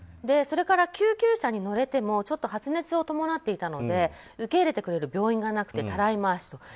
それから救急車に乗れてもちょっと発熱を伴っていたので受け入れてくれる病院がなくてたらい回しに。